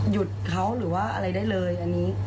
หยุดเขาหรือว่าอะไรได้เลยอันนี้